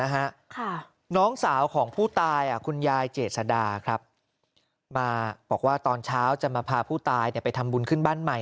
เหตุศาสตร์ครับมาบอกว่าตอนเช้าจะมาพาผู้ตายเนี่ยไปทำบุญขึ้นบ้านใหม่